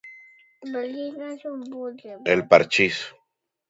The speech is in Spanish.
(...) El parchís.